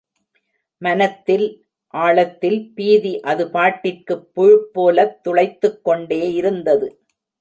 மனத்தில், ஆழத்தில் பீதி அதுபாட்டிற்குப் புழுப்போலத் துளைத்துக்கொண்டே இருந்தது.